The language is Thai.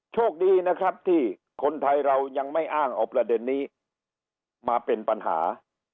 โชคดีนะครับที่คนไทยเรายังไม่อ้างเอาประเด็นนี้มาเป็นปัญหา